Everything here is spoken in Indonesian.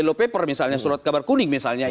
kilo paper misalnya surat kabar kuning misalnya